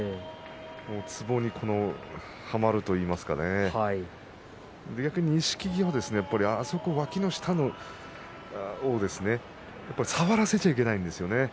つぼにはまるといいますか逆に錦木は、わきの下を触らせちゃいけないですね。